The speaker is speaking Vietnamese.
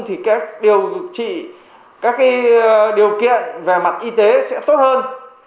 thì các điều trị các điều kiện về mặt y tế sẽ tốt hơn